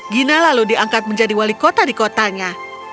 gina lalu diangkat menjadi wali kota di kotanya